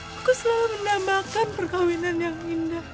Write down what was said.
aku selalu menambahkan perkahwinan yang indah